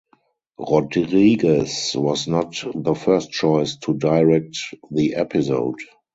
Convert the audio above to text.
Rodriguez was not the first choice to direct the episode.